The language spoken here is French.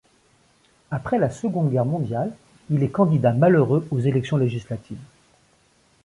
Après la Seconde Guerre mondiale, il est candidat malheureux aux élections législatives.